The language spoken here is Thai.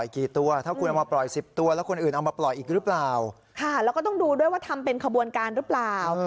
กี่ตัวถ้าคุณเอามาปล่อย๑๐ตัวแล้วคนอื่นเอามาปล่อยอีกหรือเปล่าค่ะแล้วก็ต้องดูด้วยว่าทำเป็นขบวนการหรือเปล่า